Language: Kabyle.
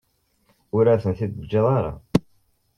Ur as-tent-id-teǧǧiḍ ara.